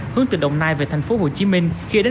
hướng từ đồng nai về thành phố hồ chí minh